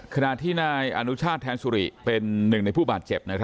ขณะที่นายอนุชาติแทนสุริเป็นหนึ่งในผู้บาดเจ็บ